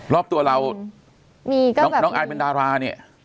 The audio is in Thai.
รอบตัวเราน้องอายเป็นดาราเนี่ย